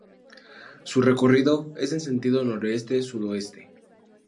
Su recorrido es en sentido noreste-sudoeste.